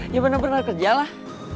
ya bener bener kerja lah